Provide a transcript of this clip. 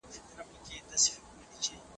د انسان روح پاملرنه غواړي.